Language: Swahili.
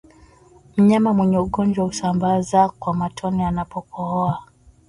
Mnyama mwenye ugonjwa husambaza kwa matone anapokohoa